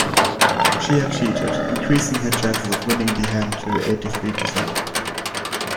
She had cheated, increasing her chances of winning the hand to eighty-three percent